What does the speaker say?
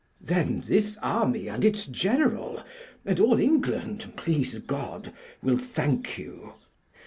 "Then this army and its General, and all England, please God, will thank you.